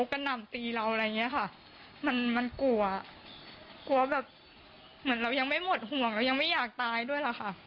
หรือหรือหรือหรือหรือหรือ